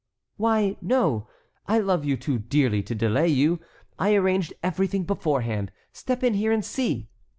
"Why, no, I love you too dearly to delay you. I arranged everything beforehand; step in here and see!"